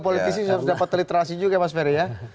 politisi harus dapat literasi juga mas ferry ya